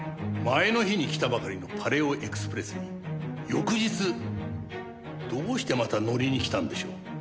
前の日に来たばかりのパレオエクスプレスに翌日どうしてまた乗りに来たんでしょう？